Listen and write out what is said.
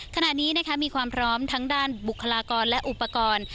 ขณะนี้มีความพร้อมทั้งด้านบุคลากรและอุปกรณ์